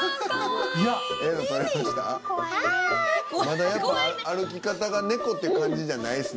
まだやっぱ歩き方がネコって感じじゃないっすね。